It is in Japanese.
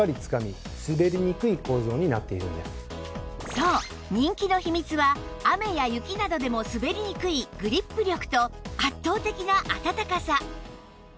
そう人気の秘密は雨や雪などでも滑りにくいグリップ力と圧倒的なあたたかさ